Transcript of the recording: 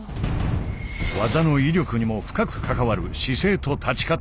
技の威力にも深く関わる姿勢と立ち方。